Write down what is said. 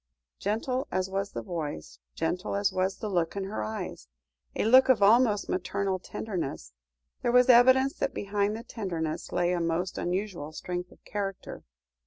Gentle as was the voice, gentle as was the look in her eyes, a look of almost maternal tenderness, there was evidence that behind the tenderness, lay a most unusual strength of character.